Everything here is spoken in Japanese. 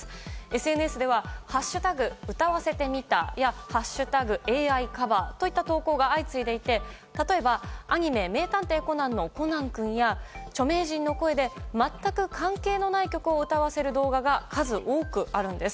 ＳＮＳでは「＃歌わせてみた」や「＃ａｉｃｏｖｅｒ」といった投稿が相次いでいて例えばアニメ「名探偵コナン」のコナン君や著名人の声で全く関係のない曲を歌わせる動画が数多くあるんです。